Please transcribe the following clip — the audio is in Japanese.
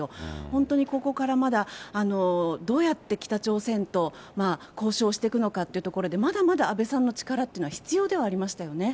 本当にここからまだ、どうやって北朝鮮と交渉していくのかというところで、まだまだ安倍さんの力っていうのは、必要ではありましたよね。